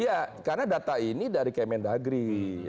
iya karena data ini dari kemendagri